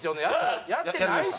やってないし！